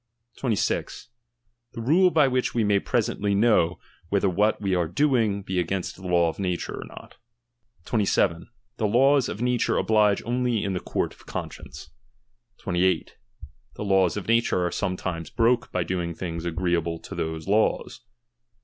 26 The rule by which we may ^^^Bresently know, whether what we are doing be against the law ^^^W nature or not. 27, The laws of natnre oblige only in the ^^^Bonrt of conscience. 28. The laws of nature are sometimes ^^Hbroke by doing things agreeable to those laws.